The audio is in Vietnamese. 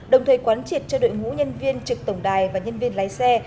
đồng thời quán triệt cho đội ngũ nhân viên trực tổng đài và nhân viên lái xe